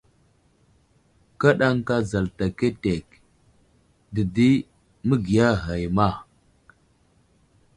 Kaɗakan zalta ketek dedi məgiya ghay i ma.